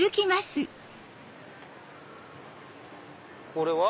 これは？